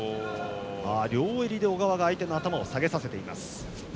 両襟で小川が相手の頭を下げさせています。